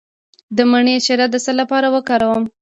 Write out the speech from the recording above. د مڼې شیره د څه لپاره وکاروم؟